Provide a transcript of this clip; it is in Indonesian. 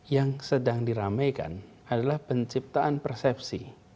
yang sedang diramaikan adalah penciptaan persepsi